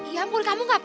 ya ampun kamu gapapa